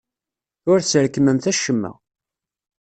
Ur tesrekmemt acemma.